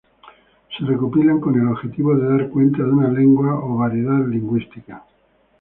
Se recopilan con el objetivo de dar cuenta de una lengua o variedad lingüística.